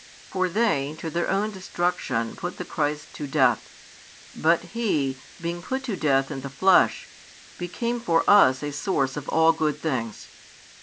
For they, to their own destruction put the Christ to death, but He, being put to death in the flesh, became for us a source of all good things.